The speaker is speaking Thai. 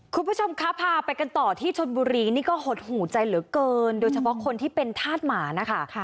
คุณผู้ชมคะพาไปกันต่อที่ชนบุรีนี่ก็หดหูใจเหลือเกินโดยเฉพาะคนที่เป็นธาตุหมานะคะ